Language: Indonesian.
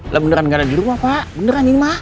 lah beneran gak ada di rumah pak beneran ini pak